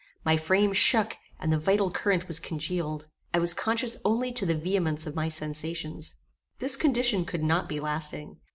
My frame shook, and the vital current was congealed. I was conscious only to the vehemence of my sensations. This condition could not be lasting.